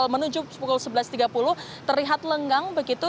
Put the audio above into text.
menuju pukul sebelas tiga puluh terlihat lenggang begitu